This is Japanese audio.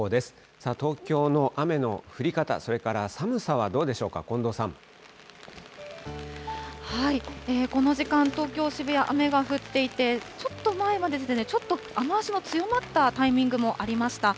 さあ、東京の雨の降り方、それから寒さはどうでしょうか、近藤さこの時間、東京・渋谷、雨が降っていて、ちょっと前まで、雨足が強まったタイミングもありました。